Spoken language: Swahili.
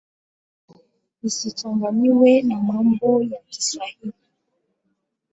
Isichanganywe na mambo ya Kiswahili.